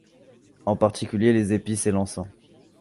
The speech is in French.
En particulier les épices et l'encens.